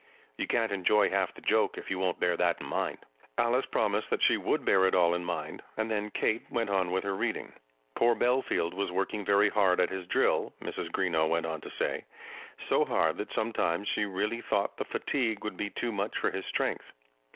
You can't enjoy half the joke if you won't bear that in mind." Alice promised that she would bear it all in mind, and then Kate went on with her reading. Poor Bellfield was working very hard at his drill, Mrs. Greenow went on to say; so hard that sometimes she really thought the fatigue would be too much for his strength.